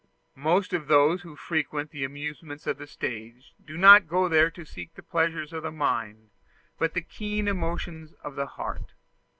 Most of those who frequent the amusements of the stage do not go there to seek the pleasures of the mind, but the keen emotions of the heart.